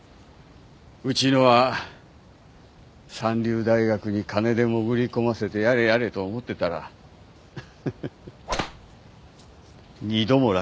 うちのは三流大学に金で潜り込ませてやれやれと思ってたらハハハッ二度も落第だ。